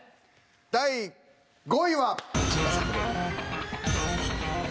第５位は。